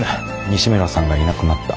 西村さんがいなくなった。